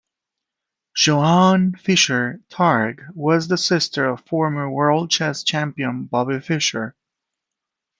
Joan Fischer Targ was the sister of former world chess champion Bobby Fischer.